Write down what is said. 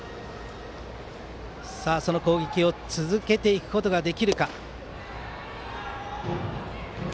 攻撃を続けていくことができるか。